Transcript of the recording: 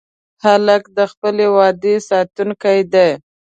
هلک د خپلې وعدې ساتونکی دی.